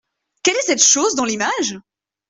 Quel est cette chose dans l’image ?